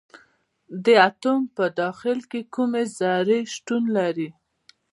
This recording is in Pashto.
د اتوم په داخل کې کومې ذرې شتون لري.